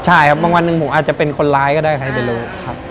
ใช่ครับบางวันหนึ่งผมอาจจะเป็นคนร้ายก็ได้ใครจะรู้ครับ